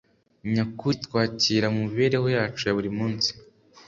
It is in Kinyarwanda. nyakuri, twakira mu mibereho yacu ya buri munsi